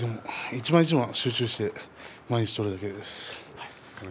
一番一番集中して毎日取るだけです。